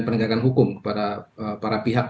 penegakan hukum kepada para pihak